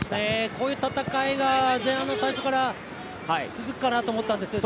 こういう戦いが前半の試合は続くかなと思ったんですけど